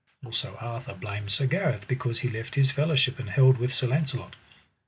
Also Arthur blamed Sir Gareth because he left his fellowship and held with Sir Launcelot.